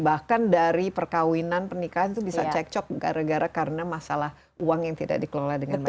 bahkan dari perkawinan pernikahan itu bisa cekcok gara gara karena masalah uang yang tidak dikelola dengan baik